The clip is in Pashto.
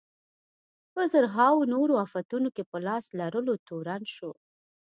په زرهاوو نورو افتونو کې په لاس لرلو تورن شو.